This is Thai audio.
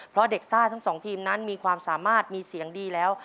เพราะเด็กซ่าทั้งสองทีมนั้นมีความสามารถมีเสียงดีแล้ว